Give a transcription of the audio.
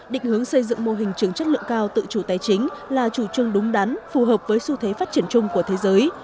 định hướng xây dựng mô hình trường chất lượng cao tự chủ tài chính là chủ trương đúng đắn phù hợp với xu thế phát triển chung của thế giới